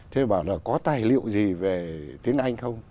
thế bảo là có tài liệu gì về tiếng anh không